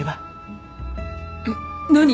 えっ何？